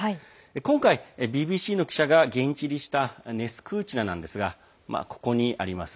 今回、ＢＢＣの記者が現地入りしたネスクーチナなんですがここにあります。